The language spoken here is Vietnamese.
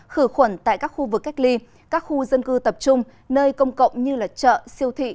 khử khuẩn tại các khu vực cách ly các khu dân cư tập trung nơi công cộng như chợ siêu thị